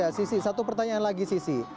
ya sissy satu pertanyaan lagi sissy